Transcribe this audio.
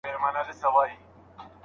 پرمختیا باید په ډینامیکه توګه وڅېړل سي.